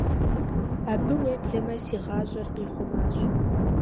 Абы, уеблэмэ, си гъащӀэр къихъумащ.